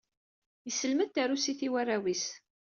Yesselmed tarusit i warraw-is.